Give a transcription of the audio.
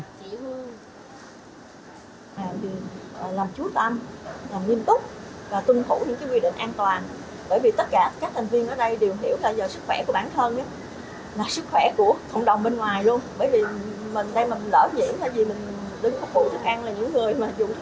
các bác sĩ nhận được sức khỏe của cộng đồng bên ngoài luôn bởi vì mình đây mà lỡ diễn là vì mình đứng phục vụ thức ăn là những người mà dùng thức ăn của mình cũng bị